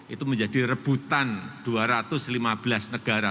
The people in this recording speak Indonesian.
itu menjadi rebutan dua ratus lima belas negara